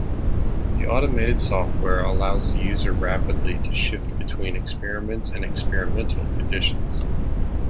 The automated software allows the user rapidly to shift between experiments and experimental conditions.